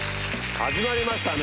始まりましたね。